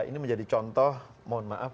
ini menjadi contoh mohon maaf